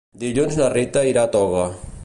Dilluns na Rita irà a Toga.